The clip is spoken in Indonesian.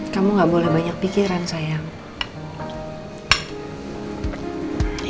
kamu gak boleh banyak pikiran sayang